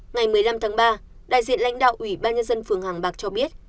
ngày một mươi năm tháng ba đại diện lãnh đạo ủy ban nhân dân phường hàng bạc cho biết